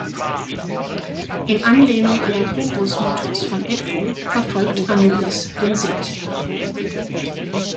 In Anlehnung an den Horus-Mythos von Edfu verfolgt Anubis den Seth.